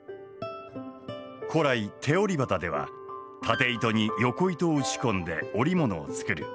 古来手織り機では経糸によこ糸を打ち込んで織物を作る。